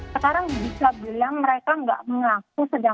sedangkan bukti bukti sudah ada